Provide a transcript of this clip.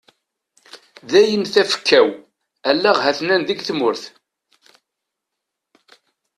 Dayen tafekka-w, allaɣ hatnan deg tmurt.